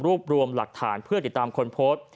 รวมรวมหลักฐานเพื่อติดตามคนโพสต์